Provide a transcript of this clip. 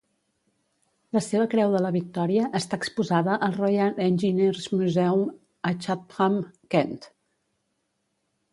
La seva Creu de la Victòria està exposada al Royal Engineers Museum, a Chatham, Kent.